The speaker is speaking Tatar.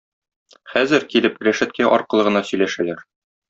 Хәзер, килеп, рәшәткә аркылы гына сөйләшәләр.